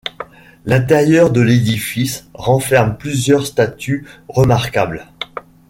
L'intérieur de l'édifice renferme plusieurs statues remarquables.